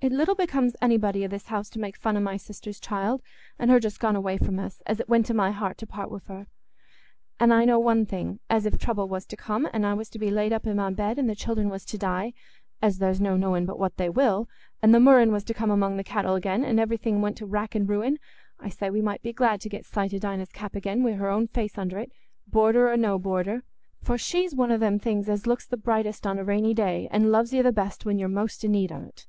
It little becomes anybody i' this house to make fun o' my sister's child, an' her just gone away from us, as it went to my heart to part wi' her. An' I know one thing, as if trouble was to come, an' I was to be laid up i' my bed, an' the children was to die—as there's no knowing but what they will—an' the murrain was to come among the cattle again, an' everything went to rack an' ruin, I say we might be glad to get sight o' Dinah's cap again, wi' her own face under it, border or no border. For she's one o' them things as looks the brightest on a rainy day, and loves you the best when you're most i' need on't."